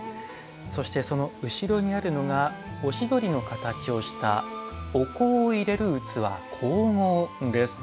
そしてその後ろにあるのがおしどりの形をしたお香を入れる器香合です。